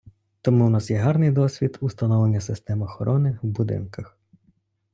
Тому в нас є гарний досвід установлення систем охорони в будинках.